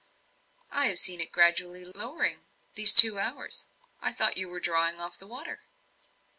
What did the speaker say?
"I have seen it gradually lowering these two hours. I thought you were drawing off the water."